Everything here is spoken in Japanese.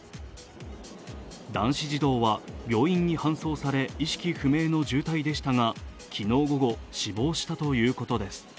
男子児童は病院に搬送され意識不明の重体でしたが昨日午後、死亡したということです